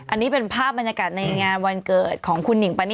อันนี้เป็นภาพบรรยากาศในงานวันเกิดของคุณหนิงปานี